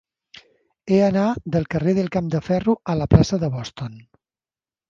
He d'anar del carrer del Camp del Ferro a la plaça de Boston.